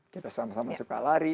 kita sama sama suka lari